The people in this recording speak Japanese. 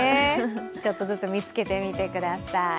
ちょっとずつ見つけてみてください。